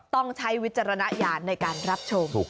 ต้องใช้วิจารณญาณในการรับชม